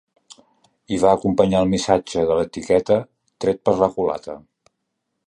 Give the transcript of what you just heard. I va acompanyar el missatge de l’etiqueta ‘tret per la culata’.